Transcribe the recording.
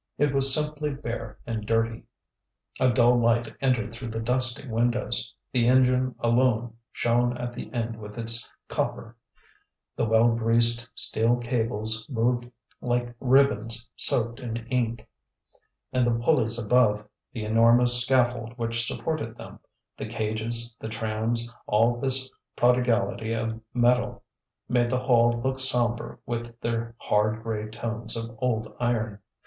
It was simply bare and dirty; a dull light entered through the dusty windows. The engine alone shone at the end with its copper; the well greased steel cables moved like ribbons soaked in ink, and the pulleys above, the enormous scaffold which supported them, the cages, the trams, all this prodigality of metal made the hall look sombre with their hard grey tones of old iron.